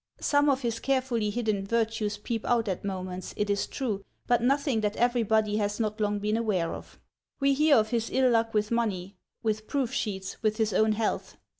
Some of his carefully hidden virtues peep out at moments, it is true, but nothing that everybody has not long been aware of. We hear of his ill luck with money, with proof sheets, with his own health.